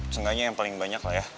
seenggaknya yang paling banyak lah ya